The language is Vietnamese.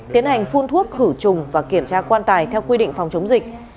tiến hành phun thuốc khử trùng và kiểm tra quan tài theo quy định phòng chống dịch